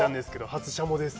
初しゃもです。